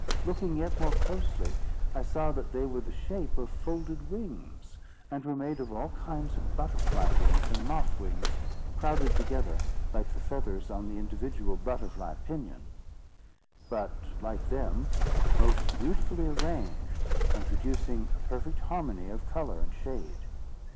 Looking yet more closely, I saw that they were of the shape of folded wings, and were made of all kinds of butterfly wings and moth wings, crowded together like the feathers on the individual butterfly pinion; but, like them, most beautifully arranged, and producing a perfect harmony of colour and shade.